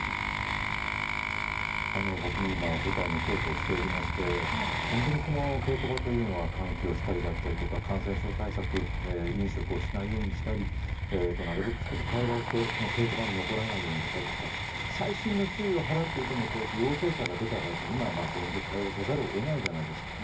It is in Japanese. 僕も今、舞台の稽古をしておりまして本当に稽古場というのは換気をしたり感染症対策飲食をしないようにしたりなるべく人と会話をして稽古場に残らないようにしたりとか細心の注意を払っていても陽性者が出た場合今は現状、対応せざるを得ないじゃないですか。